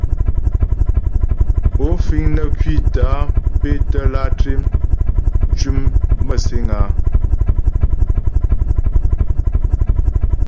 Ó fíŋ nə́ ŋkwítə́ á pɛ́tə́ látré ntʉ́mə məsìŋ áá ?